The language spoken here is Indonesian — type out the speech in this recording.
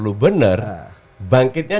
lu benar bangkitnya